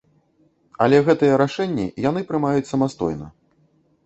Але гэтыя рашэнні яны прымаюць самастойна.